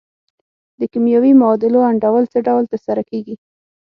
د کیمیاوي معادلو انډول څه ډول تر سره کیږي؟